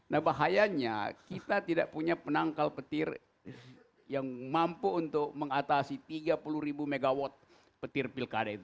nah bahayanya kita tidak punya penangkal petir yang mampu untuk mengatasi tiga puluh ribu megawatt petir pilkada itu